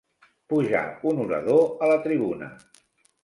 Pujar un orador a la tribuna.